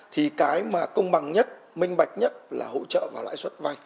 thì cái mà công bằng nhất minh bạch nhất là hỗ trợ và lãi suất vay